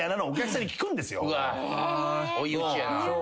追い打ちやなぁ。